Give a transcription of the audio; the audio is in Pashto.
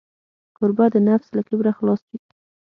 کوربه د نفس له کبره خلاص وي.